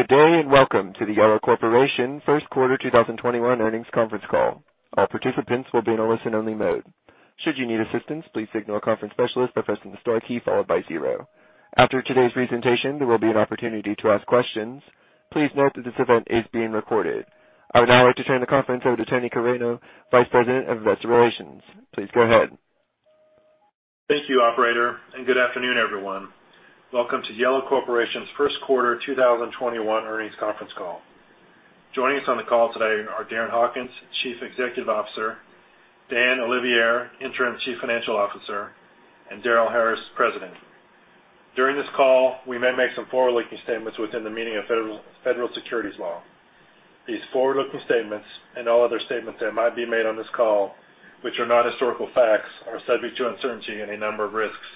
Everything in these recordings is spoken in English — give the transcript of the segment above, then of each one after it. Good day, and welcome to the Yellow Corporation First Quarter 2021 Earnings Conference Call. All participants will be in listen-only mode. Should you need assistance, please signal a conference specialist by pressing the star key followed by zero. After today's presentation there will be an opportunity to ask questions. Please note that this event is being recorded. I would now like to turn the conference over to Tony Carreño, Vice President of Investor Relations. Please go ahead. Thank you, operator, and good afternoon, everyone. Welcome to Yellow Corporation's first quarter 2021 earnings conference call. Joining us on the call today are Darren Hawkins, Chief Executive Officer; Dan Olivier, Interim Chief Financial Officer; and Darrel Harris, President. During this call, we may make some forward-looking statements within the meaning of federal securities law. These forward-looking statements, and all other statements that might be made on this call, which are not historical facts, are subject to uncertainty and a number of risks,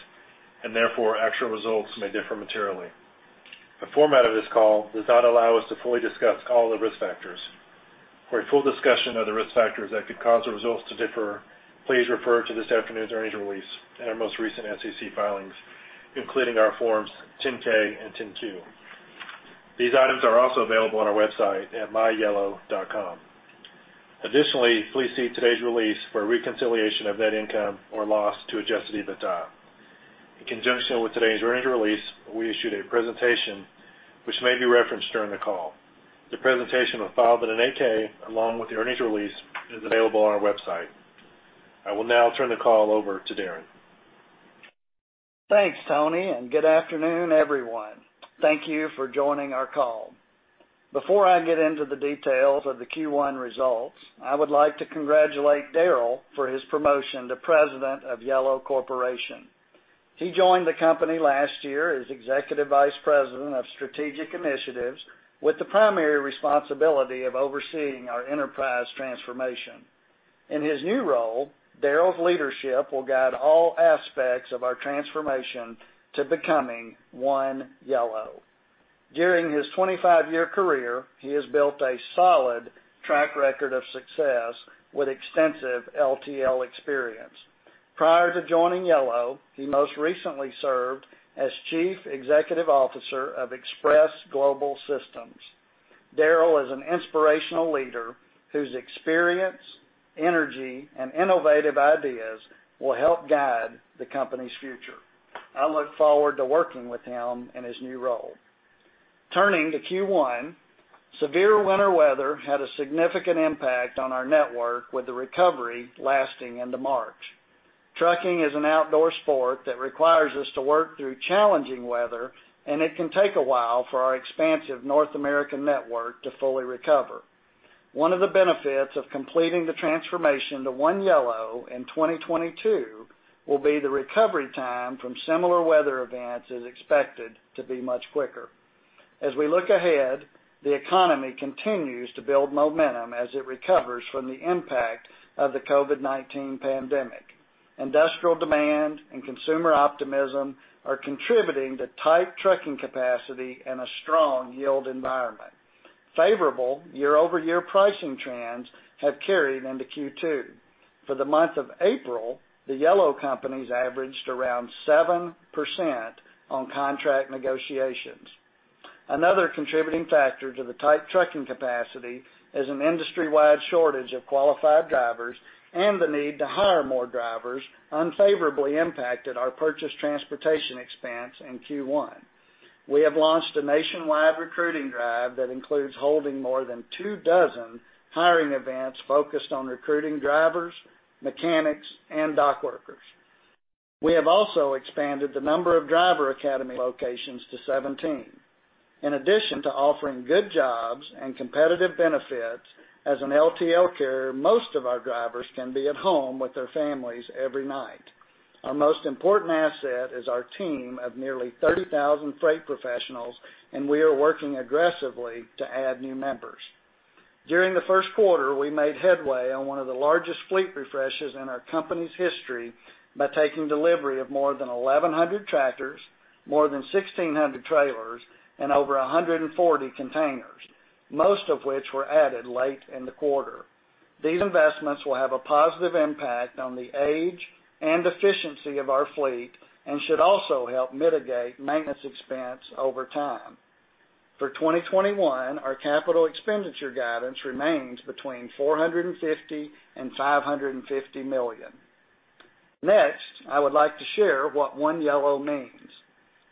and therefore actual results may differ materially. The format of this call does not allow us to fully discuss all the risk factors. For a full discussion of the risk factors that could cause the results to differ, please refer to this afternoon's earnings release and our most recent SEC filings, including our Forms 10-K and 10-Q. These items are also available on our website at myyellow.com. Additionally, please see today's release for a reconciliation of net income or loss to adjusted EBITDA. In conjunction with today's earnings release, we issued a presentation which may be referenced during the call. The presentation was filed in an 8-K, along with the earnings release, is available on our website. I will now turn the call over to Darren. Thanks, Tony, and good afternoon, everyone. Thank you for joining our call. Before I get into the details of the Q1 results, I would like to congratulate Darrel for his promotion to President of Yellow Corporation. He joined the company last year as Executive Vice President of Strategic Initiatives, with the primary responsibility of overseeing our enterprise transformation. In his new role, Darrel's leadership will guide all aspects of our transformation to becoming One Yellow. During his 25-year career, he has built a solid track record of success with extensive LTL experience. Prior to joining Yellow, he most recently served as Chief Executive Officer of Xpress Global Systems. Darrel is an inspirational leader whose experience, energy, and innovative ideas will help guide the company's future. I look forward to working with him in his new role. Turning to Q1, severe winter weather had a significant impact on our network, with the recovery lasting into March. Trucking is an outdoor sport that requires us to work through challenging weather, and it can take a while for our expansive North American network to fully recover. One of the benefits of completing the transformation to One Yellow in 2022 will be the recovery time from similar weather events is expected to be much quicker. As we look ahead, the economy continues to build momentum as it recovers from the impact of the COVID-19 pandemic. Industrial demand and consumer optimism are contributing to tight trucking capacity and a strong yield environment. Favorable year-over-year pricing trends have carried into Q2. For the month of April, the Yellow companies averaged around 7% on contract negotiations. Another contributing factor to the tight trucking capacity is an industry-wide shortage of qualified drivers and the need to hire more drivers unfavorably impacted our purchased transportation expense in Q1. We have launched a nationwide recruiting drive that includes holding more than two dozen hiring events focused on recruiting drivers, mechanics, and dock workers. We have also expanded the number of driver academy locations to 17. In addition to offering good jobs and competitive benefits, as an LTL carrier, most of our drivers can be at home with their families every night. Our most important asset is our team of nearly 30,000 freight professionals, and we are working aggressively to add new members. During the first quarter, we made headway on one of the largest fleet refreshes in our company's history by taking delivery of more than 1,100 tractors, more than 1,600 trailers, and over 140 containers, most of which were added late in the quarter. These investments will have a positive impact on the age and efficiency of our fleet and should also help mitigate maintenance expense over time. For 2021, our capital expenditure guidance remains between $450 million and $550 million. I would like to share what One Yellow means.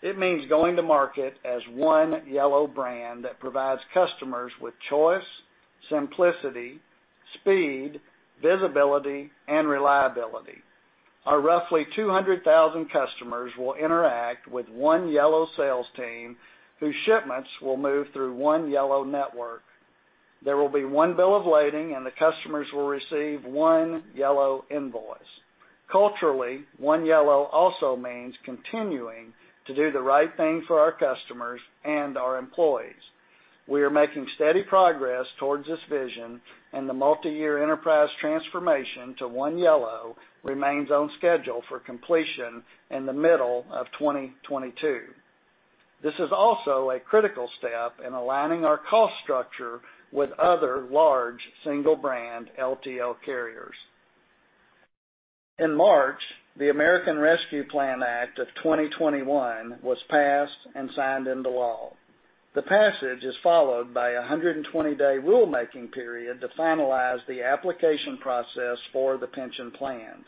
It means going to market as One Yellow brand that provides customers with choice, simplicity, speed, visibility, and reliability. Our roughly 200,000 customers will interact with One Yellow sales team, whose shipments will move through one Yellow network. There will be one bill of lading, and the customers will receive One Yellow invoice. Culturally, One Yellow also means continuing to do the right thing for our customers and our employees. We are making steady progress towards this vision, and the multi-year enterprise transformation to One Yellow remains on schedule for completion in the middle of 2022. This is also a critical step in aligning our cost structure with other large single-brand LTL carriers. In March, the American Rescue Plan Act of 2021 was passed and signed into law. The passage is followed by a 120-day rulemaking period to finalize the application process for the pension plans.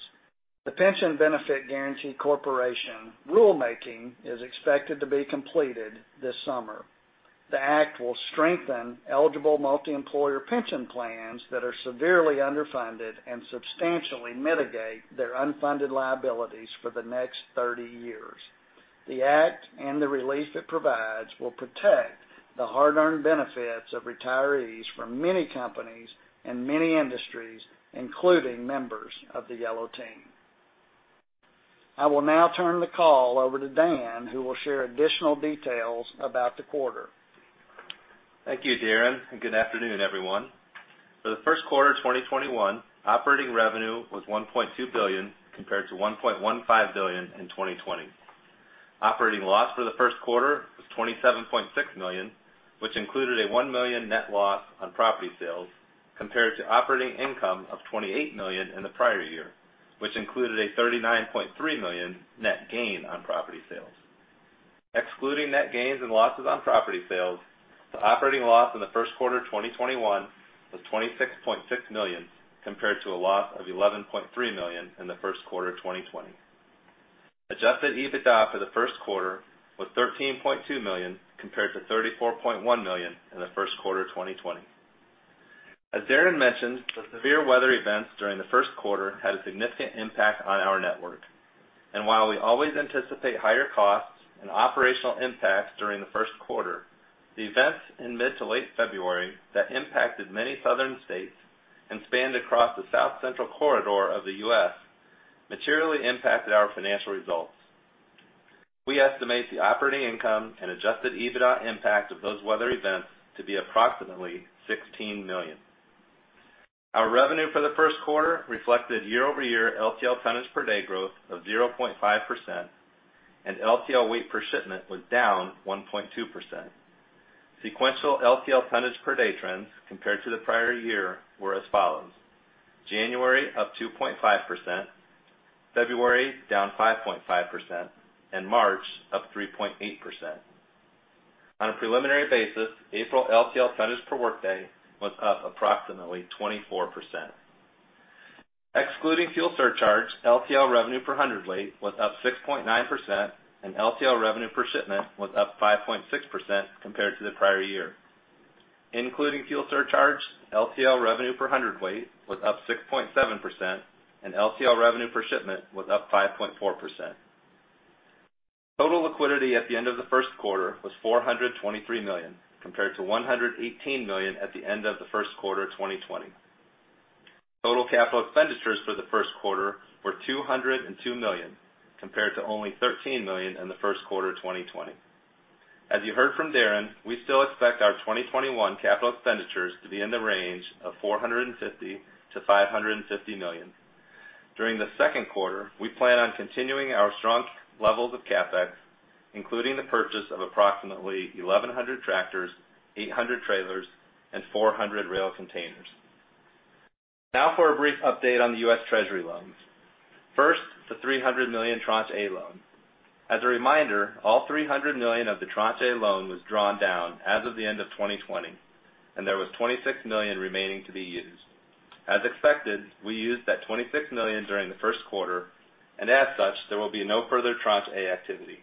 The Pension Benefit Guaranty Corporation rulemaking is expected to be completed this summer. The act will strengthen eligible multi-employer pension plans that are severely underfunded and substantially mitigate their unfunded liabilities for the next 30 years. The act and the relief it provides will protect the hard-earned benefits of retirees from many companies and many industries, including members of the Yellow team. I will now turn the call over to Dan, who will share additional details about the quarter. Thank you, Darren, and good afternoon, everyone. For the first quarter of 2021, operating revenue was $1.2 billion, compared to $1.15 billion in 2020. Operating loss for the first quarter was $27.6 million, which included a $1 million net loss on property sales, compared to operating income of $28 million in the prior year, which included a $39.3 million net gain on property sales. Excluding net gains and losses on property sales, the operating loss in the first quarter 2021 was $26.6 million, compared to a loss of $11.3 million in the first quarter of 2020. Adjusted EBITDA for the first quarter was $13.2 million, compared to $34.1 million in the first quarter of 2020. As Darren mentioned, the severe weather events during the first quarter had a significant impact on our network. While we always anticipate higher costs and operational impacts during the first quarter, the events in mid to late February that impacted many Southern states and spanned across the South Central corridor of the U.S., materially impacted our financial results. We estimate the operating income and adjusted EBITDA impact of those weather events to be approximately $16 million. Our revenue for the first quarter reflected year-over-year LTL tonnage per day growth of 0.5%, and LTL weight per shipment was down 1.2%. Sequential LTL tonnage per day trends compared to the prior year were as follows: January up 2.5%, February down 5.5%, and March up 3.8%. On a preliminary basis, April LTL tonnage per workday was up approximately 24%. Excluding fuel surcharge, LTL revenue per hundredweight was up 6.9%, and LTL revenue per shipment was up 5.6% compared to the prior year. Including fuel surcharge, LTL revenue per hundredweight was up 6.7%, and LTL revenue per shipment was up 5.4%. Total liquidity at the end of the first quarter was $423 million, compared to $118 million at the end of the first quarter of 2020. Total capital expenditures for the first quarter were $202 million, compared to only $13 million in the first quarter 2020. As you heard from Darren, we still expect our 2021 capital expenditures to be in the range of $450 million-$550 million. During the second quarter, we plan on continuing our strong levels of CapEx, including the purchase of approximately 1,100 tractors, 800 trailers, and 400 rail containers. Now for a brief update on the U.S. Treasury loans. First, the $300 million Tranche A loan. As a reminder, all $300 million of the Tranche A loan was drawn down as of the end of 2020, and there was $26 million remaining to be used. As expected, we used that $26 million during the first quarter, and as such, there will be no further Tranche A activity.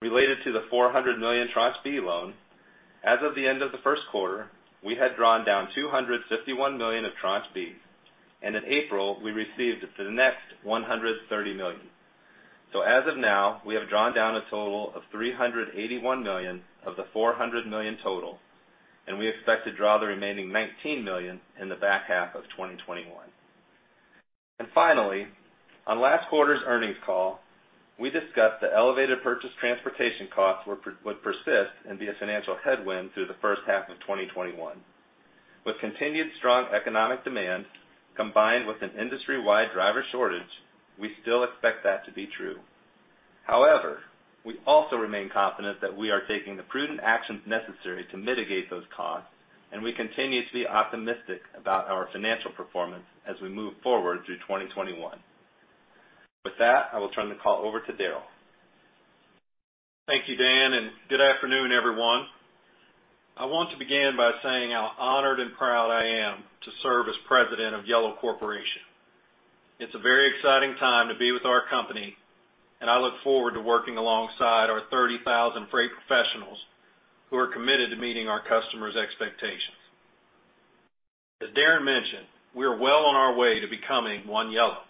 Related to the $400 million Tranche B loan, as of the end of the first quarter, we had drawn down $251 million of Tranche B, and in April, we received the next $130 million. As of now, we have drawn down a total of $381 million of the $400 million total, and we expect to draw the remaining $19 million in the back half of 2021. Finally, on last quarter's earnings call, we discussed the elevated purchase transportation costs would persist and be a financial headwind through the first half of 2021. With continued strong economic demand, combined with an industry-wide driver shortage, we still expect that to be true. However, we also remain confident that we are taking the prudent actions necessary to mitigate those costs, and we continue to be optimistic about our financial performance as we move forward through 2021. With that, I will turn the call over to Darrel. Thank you, Dan, and good afternoon, everyone. I want to begin by saying how honored and proud I am to serve as President of Yellow Corporation. It's a very exciting time to be with our company, and I look forward to working alongside our 30,000 freight professionals who are committed to meeting our customers' expectations. As Darren mentioned, we are well on our way to becoming One Yellow.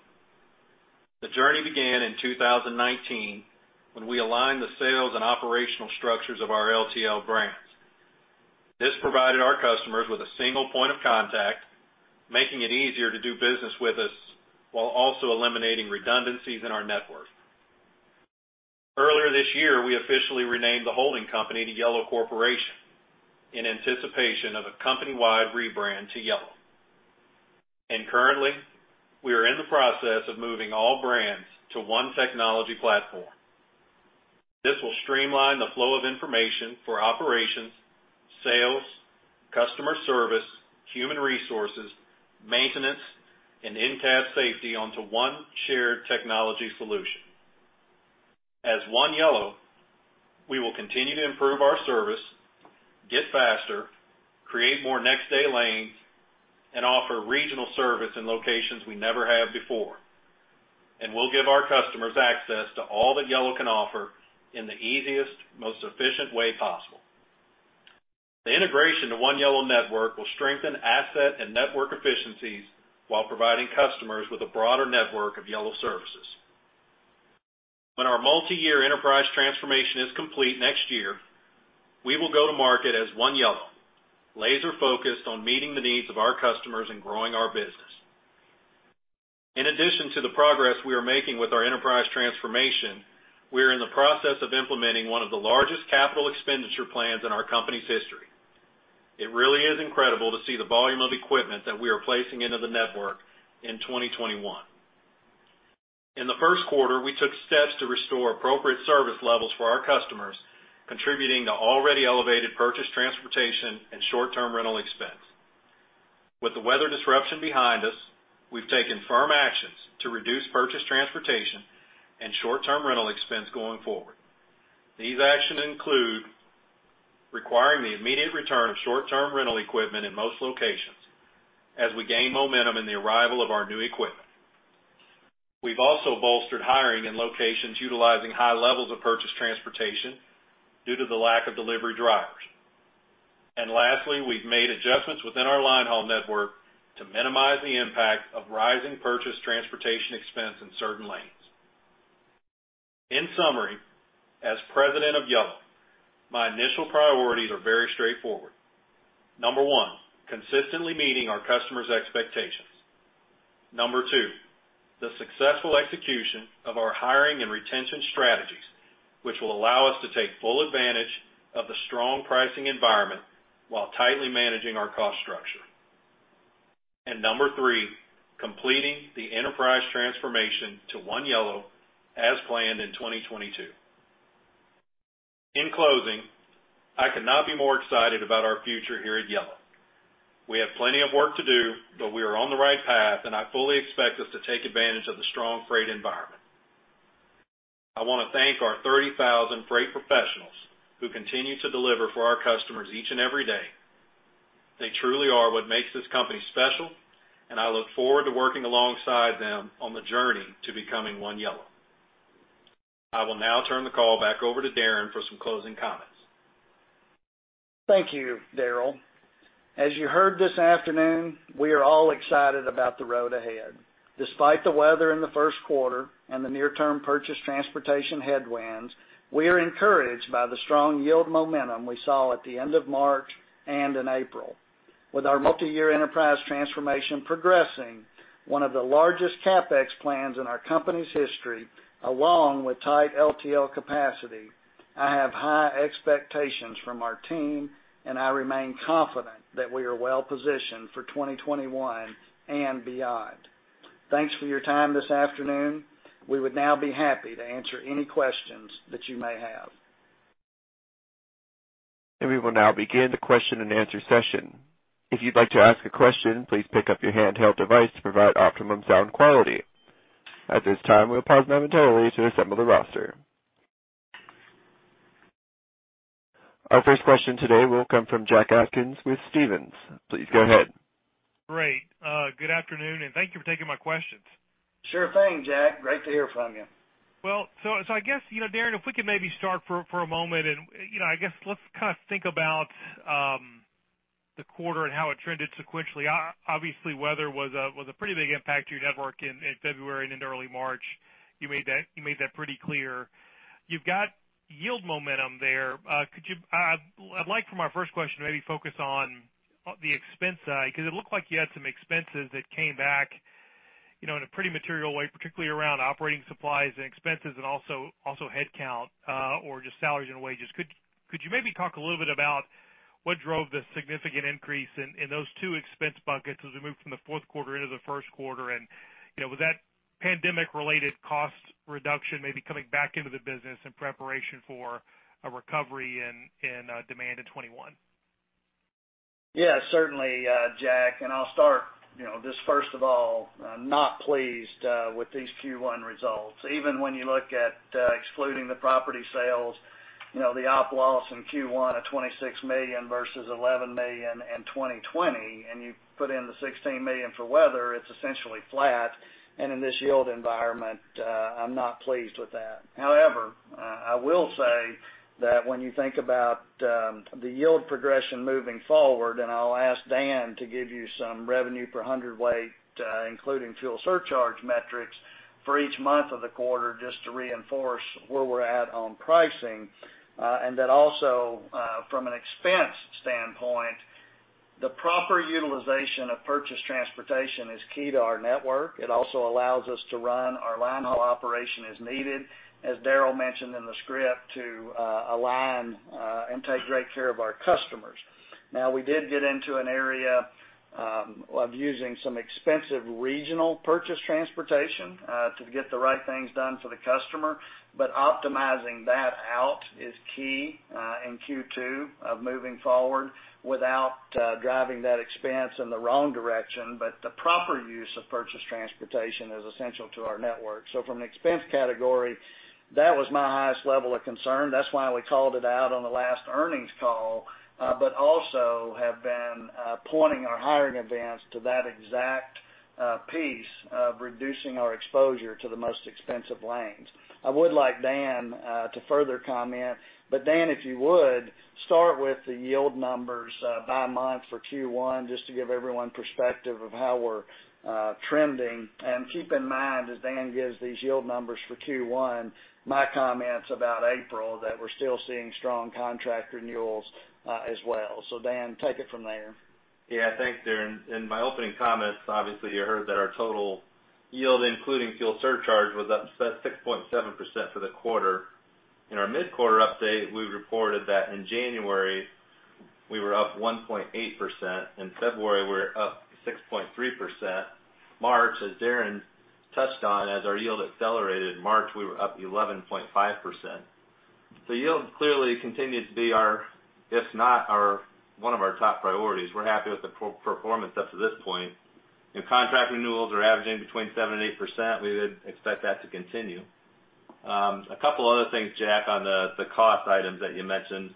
The journey began in 2019, when we aligned the sales and operational structures of our LTL brands. This provided our customers with a single point of contact, making it easier to do business with us, while also eliminating redundancies in our network. Earlier this year, we officially renamed the holding company to Yellow Corporation in anticipation of a company-wide rebrand to Yellow. Currently, we are in the process of moving all brands to one technology platform. streamline the flow of information for operations, sales, customer service, human resources, maintenance, and in-cab safety onto one shared technology solution. As One Yellow, we will continue to improve our service, get faster, create more next-day lanes, and offer regional service in locations we never have before. We'll give our customers access to all that Yellow can offer in the easiest, most efficient way possible. The integration to One Yellow Network will strengthen asset and network efficiencies while providing customers with a broader network of Yellow services. When our multi-year enterprise transformation is complete next year, we will go to market as One Yellow, laser-focused on meeting the needs of our customers and growing our business. In addition to the progress we are making with our enterprise transformation, we are in the process of implementing one of the largest capital expenditure plans in our company's history. It really is incredible to see the volume of equipment that we are placing into the network in 2021. In the first quarter, we took steps to restore appropriate service levels for our customers, contributing to already elevated purchased transportation and short-term rental expense. With the weather disruption behind us, we've taken firm actions to reduce purchased transportation and short-term rental expense going forward. These actions include requiring the immediate return of short-term rental equipment in most locations as we gain momentum in the arrival of our new equipment. We've also bolstered hiring in locations utilizing high levels of purchased transportation due to the lack of delivery drivers. Lastly, we've made adjustments within our line haul network to minimize the impact of rising purchased transportation expense in certain lanes. In summary, as President of Yellow, my initial priorities are very straightforward. Number one, consistently meeting our customers' expectations. Number two, the successful execution of our hiring and retention strategies, which will allow us to take full advantage of the strong pricing environment while tightly managing our cost structure. Number three, completing the enterprise transformation to One Yellow as planned in 2022. In closing, I could not be more excited about our future here at Yellow. We have plenty of work to do, but we are on the right path, and I fully expect us to take advantage of the strong freight environment. I want to thank our 30,000 freight professionals who continue to deliver for our customers each and every day. They truly are what makes this company special, and I look forward to working alongside them on the journey to becoming One Yellow. I will now turn the call back over to Darren for some closing comments. Thank you, Darrel. As you heard this afternoon, we are all excited about the road ahead. Despite the weather in the first quarter and the near-term purchased transportation headwinds, we are encouraged by the strong yield momentum we saw at the end of March and in April. With our multi-year enterprise transformation progressing, one of the largest CapEx plans in our company's history, along with tight LTL capacity, I have high expectations from our team, and I remain confident that we are well-positioned for 2021 and beyond. Thanks for your time this afternoon. We would now be happy to answer any questions that you may have. We will now begin the question and answer session. If you'd like to ask a question, please pick up your handheld device to provide optimum sound quality. At this time, we'll pause momentarily to assemble the roster. Our first question today will come from Jack Atkins with Stephens. Please go ahead. Great. Good afternoon, and thank you for taking my questions. Sure thing, Jack. Great to hear from you. I guess, Darren, if we could maybe start for a moment and I guess let's think about the quarter and how it trended sequentially. Obviously, weather was a pretty big impact to your network in February and into early March. You made that pretty clear. You've got yield momentum there. I'd like for my first question to maybe focus on the expense side, because it looked like you had some expenses that came back in a pretty material way, particularly around operating supplies and expenses and also headcount or just salaries and wages. Could you maybe talk a little bit about what drove the significant increase in those two expense buckets as we move from the fourth quarter into the first quarter? Was that pandemic-related cost reduction maybe coming back into the business in preparation for a recovery in demand in 2021? Yeah, certainly, Jack. I'll start, just first of all, I'm not pleased with these Q1 results. Even when you look at excluding the property sales, the op loss in Q1 of $26 million versus $11 million in 2020, and you put in the $16 million for weather, it's essentially flat. In this yield environment, I'm not pleased with that. However, I will say that when you think about the yield progression moving forward, I'll ask Dan to give you some revenue per hundredweight, including fuel surcharge metrics for each month of the quarter, just to reinforce where we're at on pricing. It also, from an expense standpoint, the proper utilization of purchased transportation is key to our network. It also allows us to run our line haul operation as needed, as Darrel mentioned in the script, to align and take great care of our customers. We did get into an area of using some expensive regional purchase transportation to get the right things done for the customer. Optimizing that out is key in Q2 of moving forward without driving that expense in the wrong direction. The proper use of purchase transportation is essential to our network. From an expense category, that was my highest level of concern. That's why we called it out on the last earnings call, but also have been pointing our hiring advance to that exact piece of reducing our exposure to the most expensive lanes. I would like Dan to further comment. Dan, if you would, start with the yield numbers by month for Q1, just to give everyone perspective of how we're trending. Keep in mind, as Dan gives these yield numbers for Q1, my comments about April, that we're still seeing strong contract renewals as well. Dan, take it from there. Yeah, thanks, Darren. In my opening comments, obviously you heard that our total yield, including fuel surcharge, was up 6.7% for the quarter. In our mid-quarter update, we reported that in January we were up 1.8%, in February we were up 6.3%. March, as Darren touched on, as our yield accelerated, March we were up 11.5%. Yield clearly continued to be our, if not one of our top priorities. We're happy with the performance up to this point. Contract renewals are averaging between 7% and 8%. We would expect that to continue. A couple other things, Jack, on the cost items that you mentioned.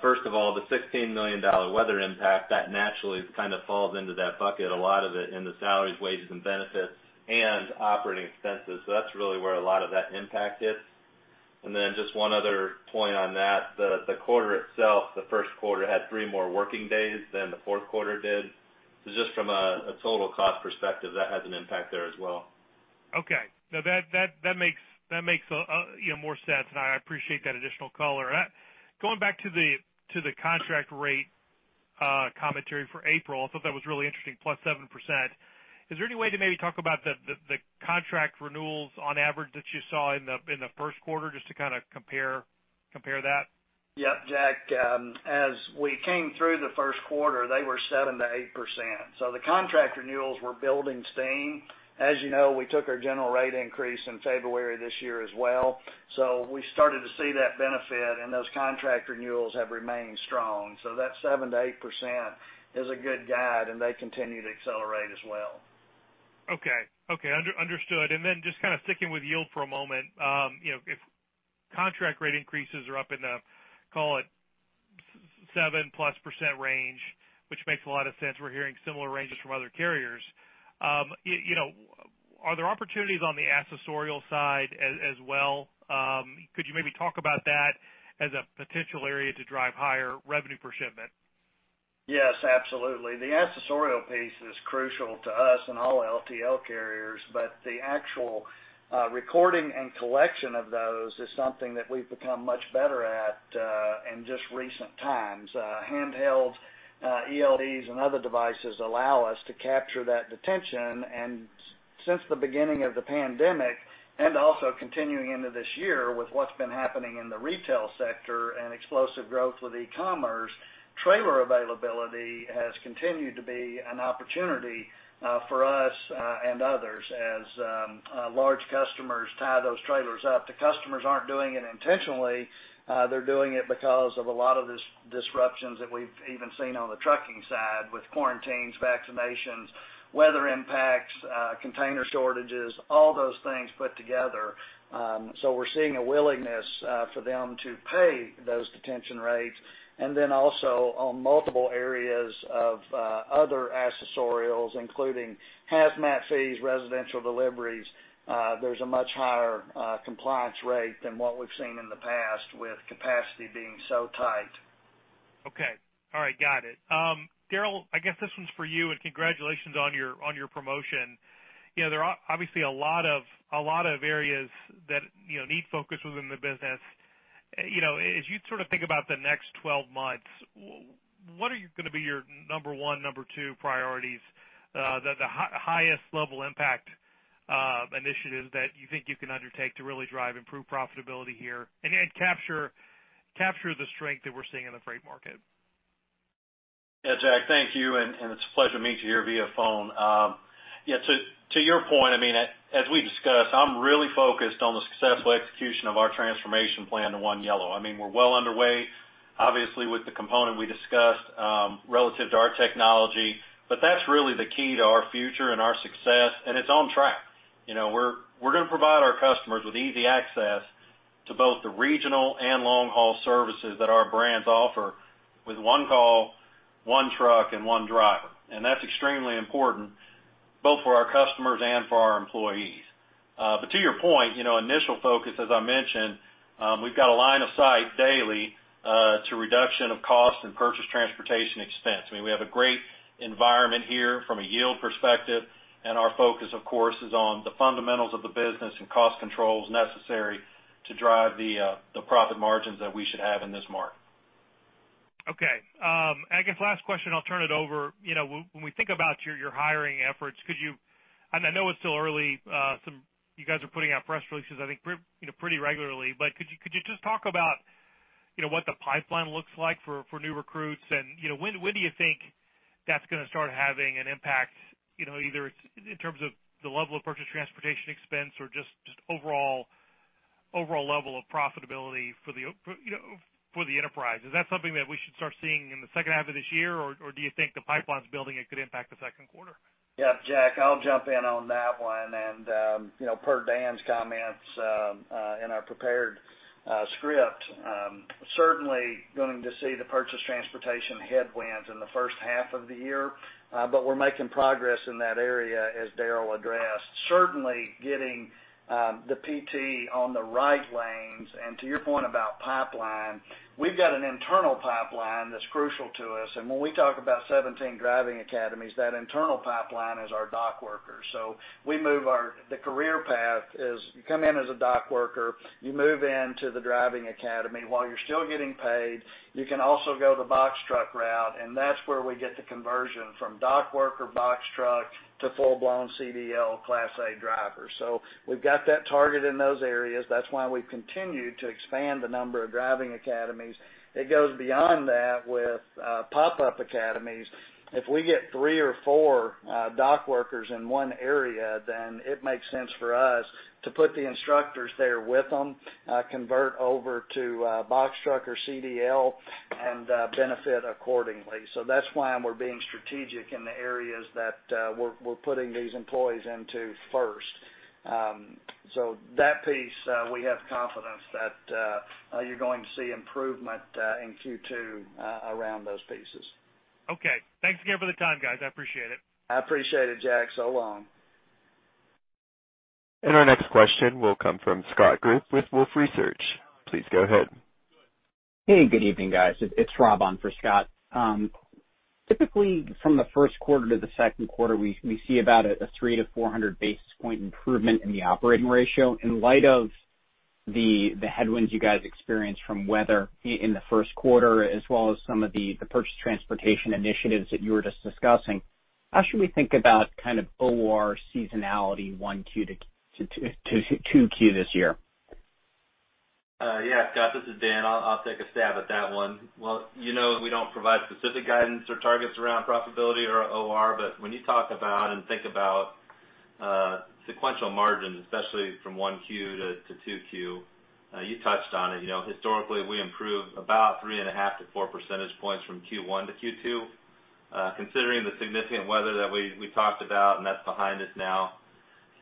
First of all, the $16 million weather impact, that naturally kind of falls into that bucket, a lot of it in the salaries, wages, and benefits, and operating expenses. That's really where a lot of that impact hits. Just one other point on that. The quarter itself, the first quarter had three more working days than the fourth quarter did. Just from a total cost perspective, that has an impact there as well. Okay. No, that makes more sense, and I appreciate that additional color. Going back to the contract rate commentary for April, I thought that was really interesting, plus 7%. Is there any way to maybe talk about the contract renewals on average that you saw in the first quarter, just to compare that? Yep, Jack. As we came through the first quarter, they were 7%-8%, the contract renewals were building steam. As you know, we took our general rate increase in February this year as well. We started to see that benefit, and those contract renewals have remained strong. That 7%-8% is a good guide, and they continue to accelerate as well. Okay. Understood. Just sticking with yield for a moment. If contract rate increases are up in the, call it, 7%+ range, which makes a lot of sense, we're hearing similar ranges from other carriers. Are there opportunities on the accessorial side as well? Could you maybe talk about that as a potential area to drive higher revenue per shipment? Yes, absolutely. The accessorial piece is crucial to us and all LTL carriers, but the actual recording and collection of those is something that we've become much better at in just recent times. Handheld ELDs and other devices allow us to capture that detention. Since the beginning of the pandemic, and also continuing into this year with what's been happening in the retail sector and explosive growth with e-commerce, trailer availability has continued to be an opportunity for us and others as large customers tie those trailers up. The customers aren't doing it intentionally, they're doing it because of a lot of these disruptions that we've even seen on the trucking side with quarantines, vaccinations, weather impacts, container shortages, all those things put together. We're seeing a willingness for them to pay those detention rates. Also on multiple areas of other accessorials, including hazmat fees, residential deliveries, there's a much higher compliance rate than what we've seen in the past with capacity being so tight. Okay. All right. Got it. Darrel, I guess this one's for you, and congratulations on your promotion. There are obviously a lot of areas that need focus within the business. As you think about the next 12 months, what are going to be your number one, number two priorities? The highest level impact initiatives that you think you can undertake to really drive improved profitability here and capture the strength that we're seeing in the freight market. Yeah, Jack, thank you, and it's a pleasure to meet you here via phone. To your point, as we discussed, I'm really focused on the successful execution of our transformation plan to One Yellow. We're well underway, obviously, with the component we discussed relative to our technology. That's really the key to our future and our success, and it's on track. We're going to provide our customers with easy access to both the regional and long-haul services that our brands offer with one call, one truck, and one driver. That's extremely important both for our customers and for our employees. To your point, initial focus, as I mentioned, we've got a line of sight daily to reduction of cost and purchase transportation expense. We have a great environment here from a yield perspective, and our focus, of course, is on the fundamentals of the business and cost controls necessary to drive the profit margins that we should have in this market. Okay. I guess last question, I'll turn it over. When we think about your hiring efforts, I know it's still early. You guys are putting out press releases, I think, pretty regularly. Could you just talk about, you know, what the pipeline looks like for new recruits. When do you think that's going to start having an impact, either in terms of the level of purchase transportation expense or just overall level of profitability for the enterprise? Is that something that we should start seeing in the second half of this year, or do you think the pipeline's building, it could impact the second quarter? Yeah, Jack, I'll jump in on that one. Per Dan's comments in our prepared script, certainly going to see the purchase transportation headwinds in the first half of the year. We're making progress in that area as Darrel addressed. Certainly, getting the PT on the right lanes, and to your point about pipeline, we've got an internal pipeline that's crucial to us. When we talk about 17 driving academies, that internal pipeline is our dock workers. We move our the career path is you come in as a dock worker, you move into the driving academy while you're still getting paid. You can also go the box truck route, and that's where we get the conversion from dock worker box truck to full-blown CDL Class A driver. We've got that target in those areas. That's why we've continued to expand the number of driving academies. It goes beyond that with pop-up academies. If we get three or four dock workers in one area, then it makes sense for us to put the instructors there with them, convert over to box truck or CDL, and benefit accordingly. That's why we're being strategic in the areas that we're putting these employees into first. That piece, we have confidence that you're going to see improvement in Q2 around those pieces. Okay. Thanks again for the time, guys. I appreciate it. I appreciate it, Jack. So long. Our next question will come from Scott Group with Wolfe Research. Please go ahead. Hey, good evening, guys. It's Rob on for Scott. Typically, from the first quarter to the second quarter, we see about a 300 basis point-400 basis point improvement in the operating ratio. In light of the headwinds you guys experienced from weather in the first quarter, as well as some of the purchase transportation initiatives that you were just discussing, how should we think about kind of OR seasonality 1Q to 2Q this year? Yeah. Scott, this is Dan. I'll take a stab at that one. Well, you know we don't provide specific guidance or targets around profitability or OR, but when you talk about and think about sequential margins, especially from 1Q to 2Q, you touched on it. Historically, we improved about three and a half to four percentage points from Q1 to Q2. Considering the significant weather that we talked about, and that's behind us now,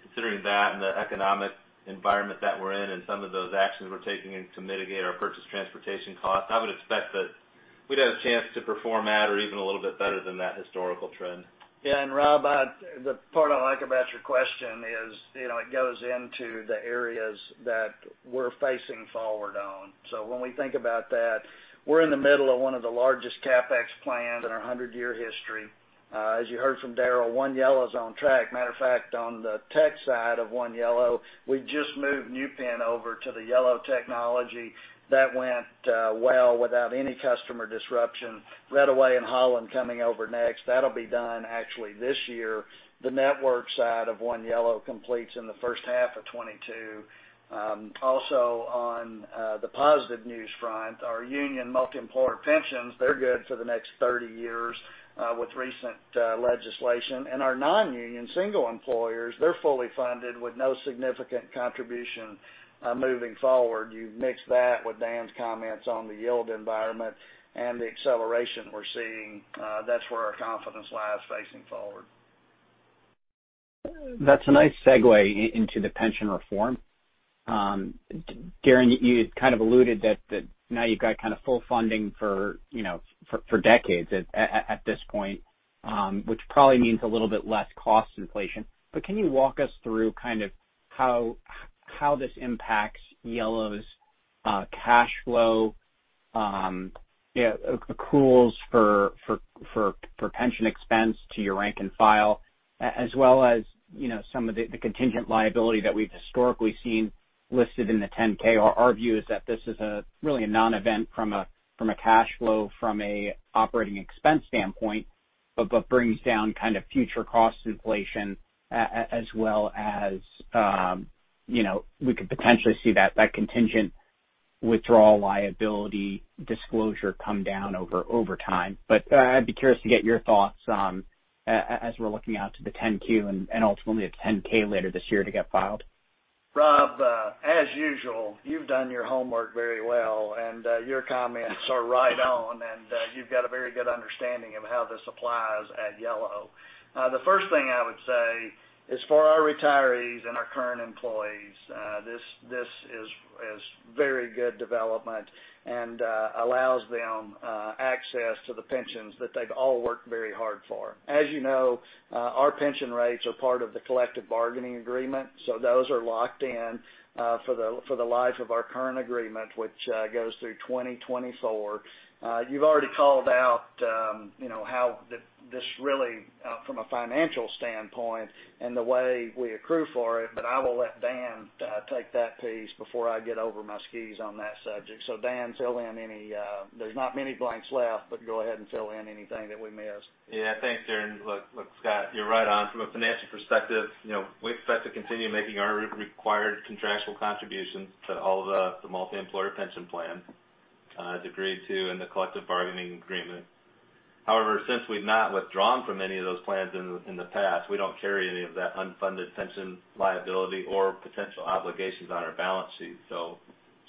considering that and the economic environment that we're in and some of those actions we're taking to mitigate our purchase transportation costs, I would expect that we'd have a chance to perform at or even a little bit better than that historical trend. Yeah. Rob, the part I like about your question is, it goes into the areas that we're facing forward on. When we think about that, we're in the middle of one of the largest CapEx plans in our 100-year history. As you heard from Darrel, One Yellow is on track. Matter of fact, on the tech side of One Yellow, we just moved New Penn over to the Yellow technology. That went well without any customer disruption. Reddaway and Holland coming over next. That'll be done actually this year. The network side of One Yellow completes in the first half of 2022. On the positive news front, our union multiemployer pensions, they're good for the next 30 years, with recent legislation. Our non-union single employers, they're fully funded with no significant contribution moving forward. You mix that with Dan's comments on the yield environment and the acceleration we're seeing, that's where our confidence lies facing forward. That's a nice segue into the pension reform. Darren, you had kind of alluded that now you've got kind of full funding for decades at this point, which probably means a little bit less cost inflation. Can you walk us through how this impacts Yellow's cash flow, accruals for pension expense to your rank and file, as well as some of the contingent liability that we've historically seen listed in the 10-K? Our view is that this is really a non-event from a cash flow, from a operating expense standpoint, but brings down future cost inflation, as well as we could potentially see that contingent withdrawal liability disclosure come down over time. I'd be curious to get your thoughts as we're looking out to the 10-Q and ultimately a 10-K later this year to get filed. Rob, as usual, you've done your homework very well, and your comments are right on, and you've got a very good understanding of how this applies at Yellow. The first thing I would say is for our retirees and our current employees, this is very good development and allows them access to the pensions that they've all worked very hard for. As you know, our pension rates are part of the collective bargaining agreement, so those are locked in for the life of our current agreement, which goes through 2024. You've already called out how this really, from a financial standpoint and the way we accrue for it, but I will let Dan take that piece before I get over my skis on that subject. Dan, there's not many blanks left, but go ahead and fill in anything that we missed. Yeah. Thanks, Darren. Look, Scott, you're right on. From a financial perspective, we expect to continue making our required contractual contributions to all of the multiemployer pension plans agreed to in the collective bargaining agreement. However, since we've not withdrawn from any of those plans in the past, we don't carry any of that unfunded pension liability or potential obligations on our balance sheet. To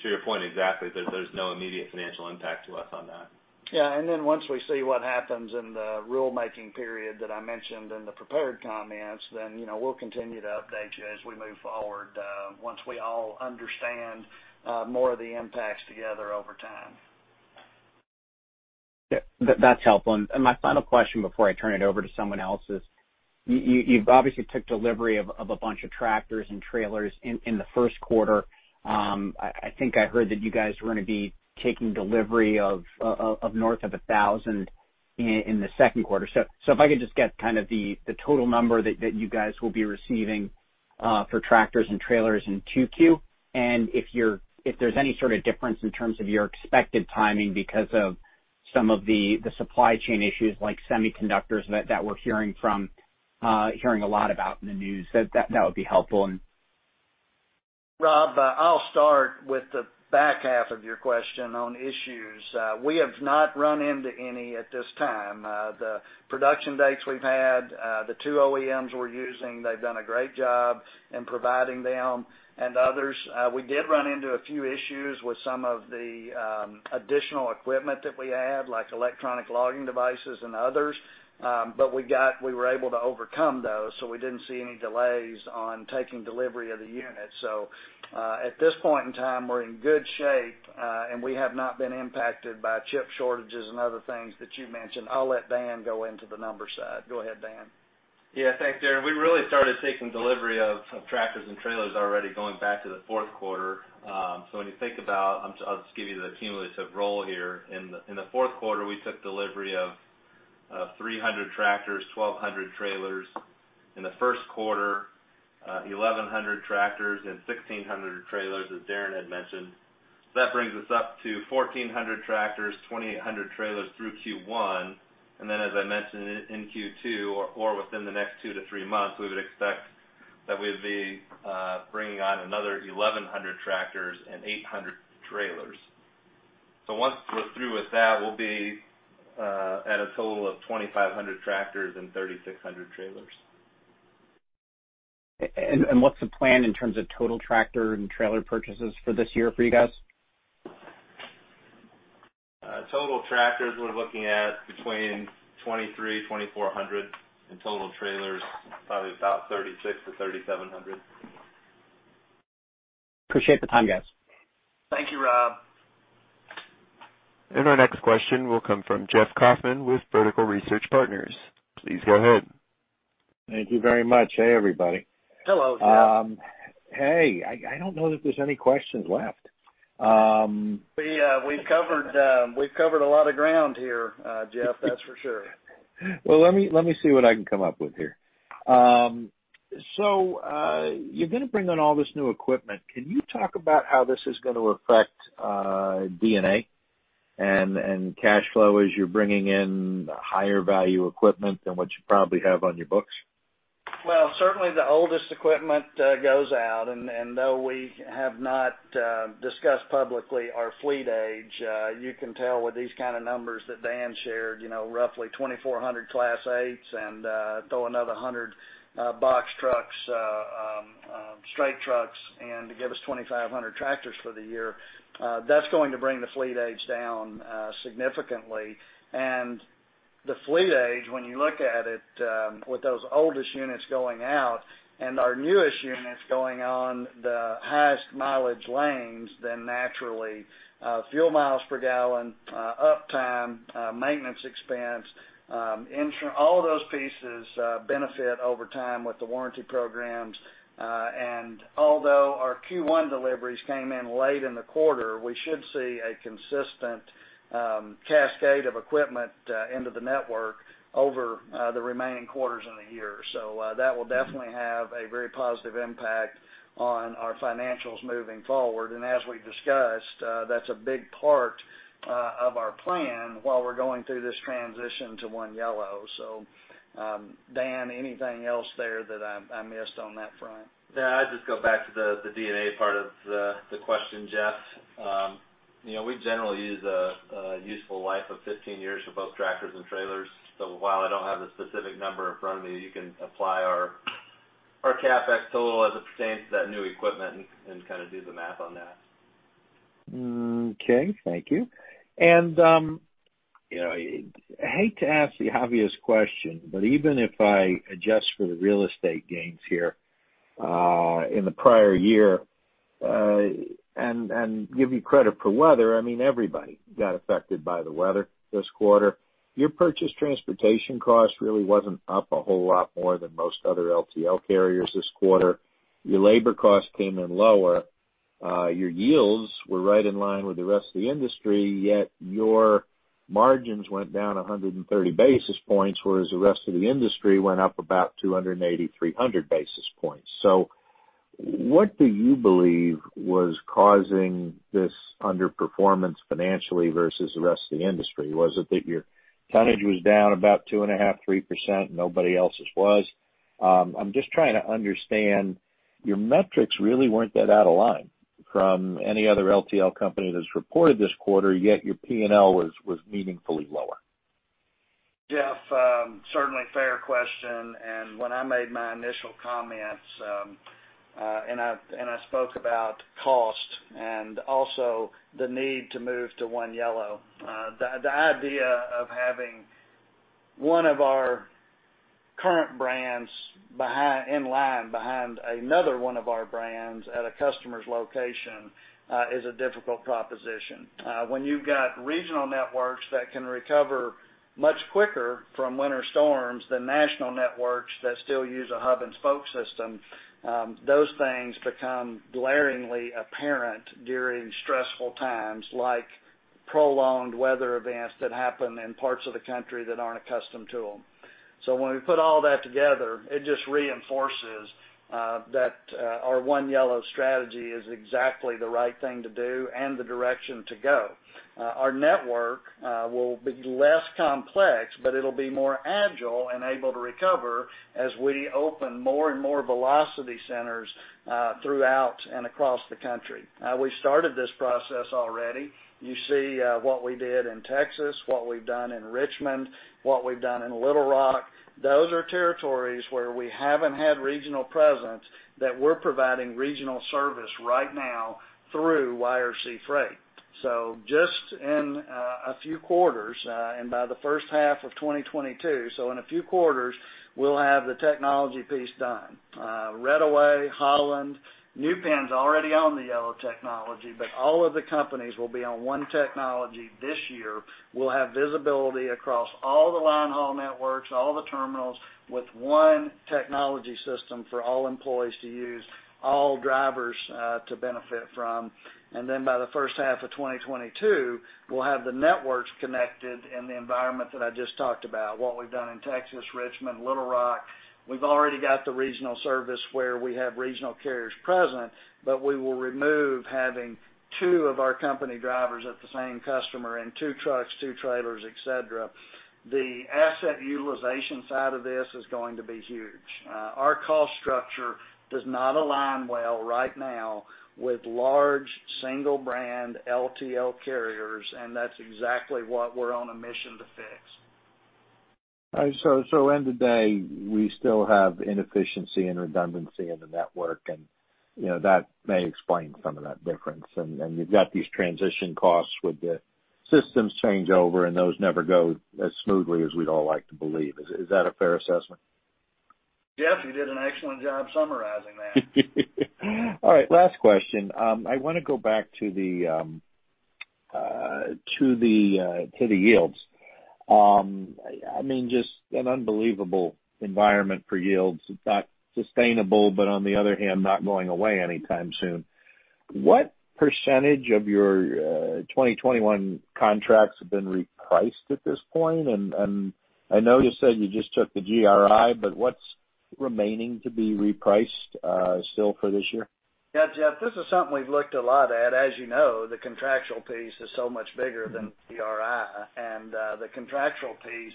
your point, exactly, there's no immediate financial impact to us on that. Yeah. Once we see what happens in the rulemaking period that I mentioned in the prepared comments, then we'll continue to update you as we move forward, once we all understand more of the impacts together over time. That's helpful. My final question before I turn it over to someone else is, you've obviously took delivery of a bunch of tractors and trailers in the first quarter. I think I heard that you guys were going to be taking delivery of north of 1,000 in the second quarter. If I could just get kind of the total number that you guys will be receiving for tractors and trailers in Q2, and if there's any sort of difference in terms of your expected timing because of some of the supply chain issues like semiconductors that we're hearing a lot about in the news, that would be helpful. Rob, I'll start with the back half of your question on issues. We have not run into any at this time. The production dates we've had, the two OEMs we're using, they've done a great job in providing them and others. We did run into a few issues with some of the additional equipment that we add, like Electronic Logging Devices and others. We were able to overcome those. We didn't see any delays on taking delivery of the units. At this point in time, we're in good shape. We have not been impacted by chip shortages and other things that you mentioned. I'll let Dan go into the numbers side. Go ahead, Dan. Thanks, Darren. We really started taking delivery of tractors and trailers already going back to the fourth quarter. When you think about, I'll just give you the cumulative roll here. In the fourth quarter, we took delivery of 300 tractors, 1,200 trailers. In the first quarter, 1,100 tractors and 1,600 trailers, as Darren had mentioned. That brings us up to 1,400 tractors, 2,800 trailers through Q1. As I mentioned, in Q2 or within the next two to three months, we would expect that we'd be bringing on another 1,100 tractors and 800 trailers. Once we're through with that, we'll be at a total of 2,500 tractors and 3,600 trailers. What's the plan in terms of total tractor and trailer purchases for this year for you guys? Total tractors, we're looking at between 2,300-2,400, and total trailers, probably about 3,600-3,700. Appreciate the time, guys. Thank you, Rob. Our next question will come from Jeff Kauffman with Vertical Research Partners. Please go ahead. Thank you very much. Hey, everybody. Hello, Jeff. Hey, I don't know that there's any questions left. We've covered a lot of ground here, Jeff that's for sure. Well, let me see what I can come up with here. You're going to bring on all this new equipment. Can you talk about how this is going to affect D&A and cash flow as you're bringing in higher value equipment than what you probably have on your books? Well, certainly the oldest equipment goes out, though we have not discussed publicly our fleet age, you can tell with these kind of numbers that Dan shared, roughly 2,400 Class 8s and throw another 100 box trucks, straight trucks, to give us 2,500 tractors for the year. That's going to bring the fleet age down significantly. The fleet age, when you look at it, with those oldest units going out and our newest units going on the highest mileage lanes, naturally, fuel miles per gallon, uptime, maintenance expense, all of those pieces benefit over time with the warranty programs. Although our Q1 deliveries came in late in the quarter, we should see a consistent cascade of equipment into the network over the remaining quarters in the year. That will definitely have a very positive impact on our financials moving forward. As we discussed, that's a big part of our plan while we're going through this transition to One Yellow. Dan, anything else there that I missed on that front? I'd just go back to the D&A part of the question, Jeff. We generally use a useful life of 15 years for both tractors and trailers. While I don't have the specific number in front of me, you can apply our CapEx total as it pertains to that new equipment and kind of do the math on that. Okay. Thank you. I hate to ask the obvious question, but even if I adjust for the real estate gains here in the prior year, and give you credit for weather, I mean, everybody got affected by the weather this quarter. Your purchase transportation cost really wasn't up a whole lot more than most other LTL carriers this quarter. Your labor cost came in lower. Your yields were right in line with the rest of the industry, yet your margins went down 130 basis points, whereas the rest of the industry went up about 280 basis points, 300 basis points. What do you believe was causing this underperformance financially versus the rest of the industry? Was it that your tonnage was down about 2.5%, 3% and nobody else's was? I'm just trying to understand, your metrics really weren't that out of line from any other LTL company that's reported this quarter, yet your P&L was meaningfully lower. Jeff, certainly fair question. When I made my initial comments, and I spoke about cost and also the need to move to One Yellow. The idea of having one of our current brands in line behind another one of our brands at a customer's location, is a difficult proposition. When you've got regional networks that can recover much quicker from winter storms than national networks that still use a hub-and-spoke system, those things become glaringly apparent during stressful times, like prolonged weather events that happen in parts of the country that aren't accustomed to them. When we put all that together, it just reinforces that our One Yellow strategy is exactly the right thing to do and the direction to go. Our network will be less complex, it'll be more agile and able to recover as we open more and more velocity centers throughout and across the country. We started this process already. You see what we did in Texas, what we've done in Richmond, what we've done in Little Rock. Those are territories where we haven't had regional presence that we're providing regional service right now through YRC Freight. Just in a few quarters, and by the first half of 2022, so in a few quarters, we'll have the technology piece done. Reddaway, Holland, New Penn's already on the Yellow technology, all of the companies will be on one technology this year. We'll have visibility across all the line haul networks, all the terminals, with one technology system for all employees to use, all drivers to benefit from. By the first half of 2022, we'll have the networks connected in the environment that I just talked about, what we've done in Texas, Richmond, Little Rock. We've already got the regional service where we have regional carriers present, but we will remove having two of our company drivers at the same customer and two trucks, two trailers, etc. The asset utilization side of this is going to be huge. Our cost structure does not align well right now with large single brand LTL carriers, and that's exactly what we're on a mission to fix. All right. End of the day, we still have inefficiency and redundancy in the network, and that may explain some of that difference. You've got these transition costs with the systems changeover, and those never go as smoothly as we'd all like to believe. Is that a fair assessment? Jeff, you did an excellent job summarizing that. All right, last question. I want to go back to the yields. Just an unbelievable environment for yields. It's not sustainable, but on the other hand, not going away anytime soon. What percent of your 2021 contracts have been repriced at this point? I know you said you just took the GRI, but what's remaining to be repriced still for this year? Yeah, Jeff, this is something we've looked a lot at. As you know, the contractual piece is so much bigger than GRI. The contractual piece,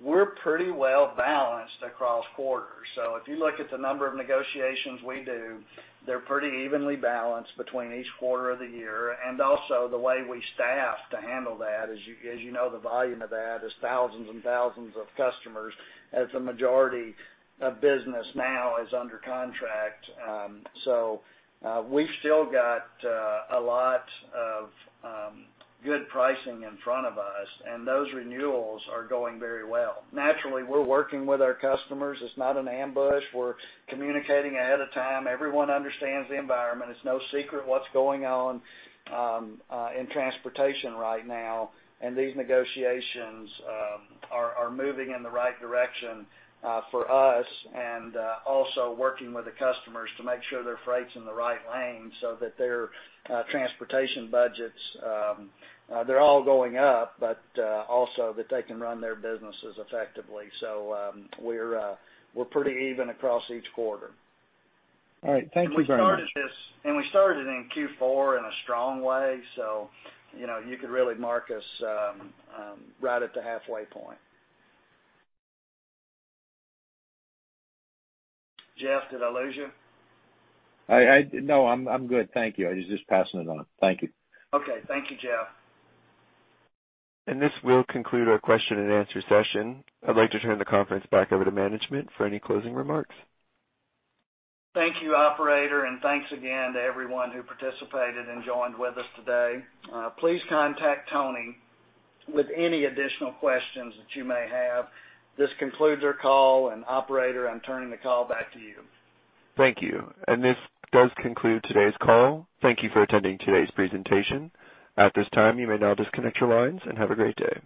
we're pretty well balanced across quarters. If you look at the number of negotiations we do, they're pretty evenly balanced between each quarter of the year. Also the way we staff to handle that, as you know, the volume of that is thousands and thousands of customers as the majority of business now is under contract. We've still got a lot of good pricing in front of us, and those renewals are going very well. Naturally, we're working with our customers. It's not an ambush. We're communicating ahead of time. Everyone understands the environment. It's no secret what's going on in transportation right now. These negotiations are moving in the right direction for us and also working with the customers to make sure their freight's in the right lane so that their transportation budgets, they're all going up, but also that they can run their businesses effectively. We're pretty even across each quarter. All right. Thank you very much. We started it in Q4 in a strong way. You could really mark us right at the halfway point. Jeff, did I lose you? No, I'm good. Thank you. I was just passing it on. Thank you. Okay. Thank you, Jeff. This will conclude our question and answer session. I'd like to turn the conference back over to management for any closing remarks. Thank you, operator, and thanks again to everyone who participated and joined with us today. Please contact Tony with any additional questions that you may have. This concludes our call, and operator, I'm turning the call back to you. Thank you. This does conclude today's call. Thank you for attending today's presentation. At this time, you may now disconnect your lines and have a great day.